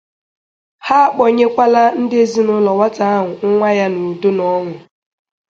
Ha akpọnyekwala ndị ezinụlọ nwata ahụ nwa ha n'udo na ọñụ.